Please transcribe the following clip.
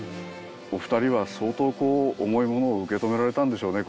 お２人は相当重いものを受け止められたんでしょうね